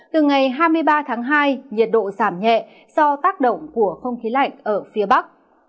từ ngày hai mươi ba tháng hai nhiệt độ giảm nhẹ do tác động của không khí lạnh ở phía bắc